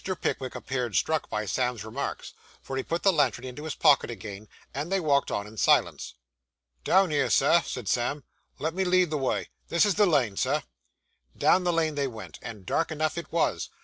Pickwick appeared struck by Sam's remarks, for he put the lantern into his pocket again, and they walked on in silence. 'Down here, Sir,' said Sam. 'Let me lead the way. This is the lane, Sir.' Down the lane they went, and dark enough it was. Mr.